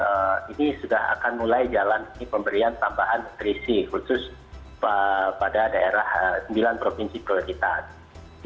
ini sudah akan mulai jalan pemberian tambahan nutrisi khusus pada daerah sembilan provinsi prioritas